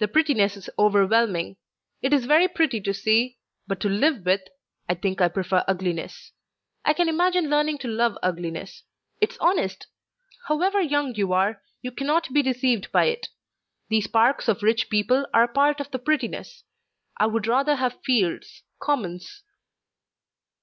"The prettiness is overwhelming. It is very pretty to see; but to live with, I think I prefer ugliness. I can imagine learning to love ugliness. It's honest. However young you are, you cannot be deceived by it. These parks of rich people are a part of the prettiness. I would rather have fields, commons."